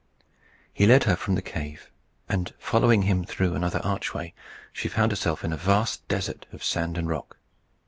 He led her from the cave, and following him through another archway, she found herself in a vast desert of sand and rock.